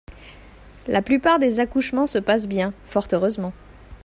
La plupart des accouchements se passent bien, fort heureusement.